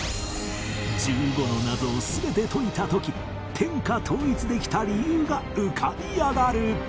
１５の謎を全て解いた時天下統一できた理由が浮かび上がる